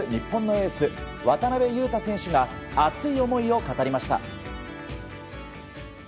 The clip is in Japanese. エース渡邊雄太選手が熱い思いを語りました。